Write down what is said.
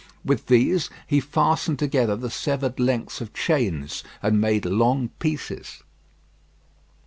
With these he fastened together the severed lengths of chains, and made long pieces.